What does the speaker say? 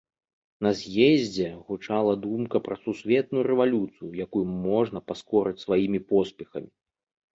На з'ездзе гучала думка пра сусветную рэвалюцыю, якую можна паскорыць сваімі поспехамі.